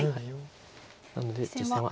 なので実戦は。